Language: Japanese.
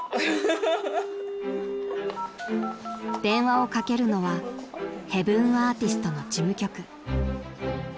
［電話をかけるのはヘブンアーティストの事務局］